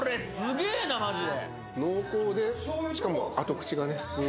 これ、すげえなマジで。